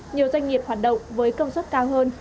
nhiều doanh nghiệp hoạt động với công suất cao hơn